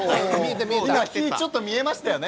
ちらっと見えましたよね。